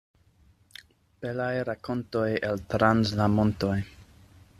Belaj rakontoj el trans la montoj.